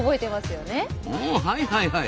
はい。